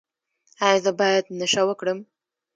ایا زه باید نشه وکړم؟